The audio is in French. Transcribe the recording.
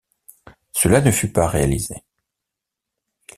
Cela ne fut pas réalisé.